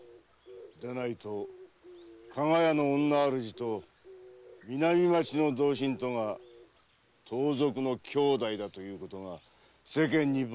でないと加賀屋の女主と南町の同心とが盗賊の妹弟だということが世間にばれたら大変ですからねぇ。